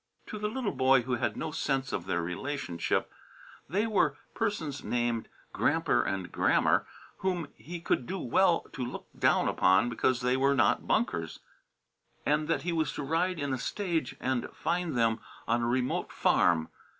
To the little boy, who had no sense of their relationship, they were persons named "Gramper" and "Grammer" whom he would do well to look down upon because they were not Bunkers. So much he understood, and that he was to ride in a stage and find them on a remote farm.